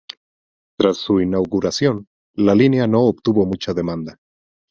Tras su inauguración, la línea no obtuvo mucha demanda.